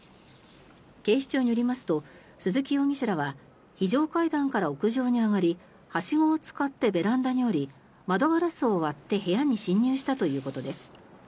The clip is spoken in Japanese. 警視庁によりますと鈴木容疑者らは非常階段から屋上に上がりはしごを使ってベランダに下り窓ガラスを割って部屋に侵入したということです。